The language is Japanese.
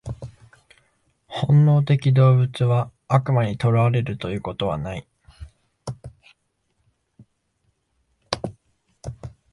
本能的動物は悪魔に囚われるということはない。